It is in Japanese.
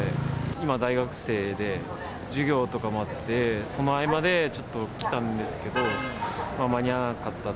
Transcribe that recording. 今大学生で、授業とかもあって、その合間でちょっと来たんですけど、間に合わなかった。